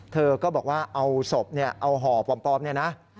เธอก็บอกว่าเอาศพเอาห่อปลอมเนี่ยนะ